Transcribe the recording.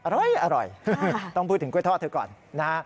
อร่อยต้องพูดถึงกล้วยทอดเธอก่อนนะฮะ